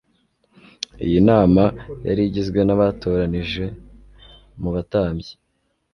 Iyi nama yari igizwe n’abatoranijwe mu batambyi,